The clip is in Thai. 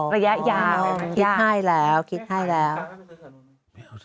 ระยะยาวคิดให้แล้ว